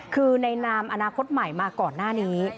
คือในนามอนาคตใหม่มาก่อนหน้านี้